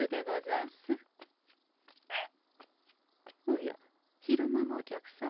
おや昼間のお客様。